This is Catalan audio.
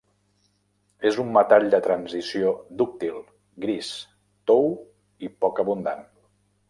És un metall de transició dúctil, gris, tou i poc abundant.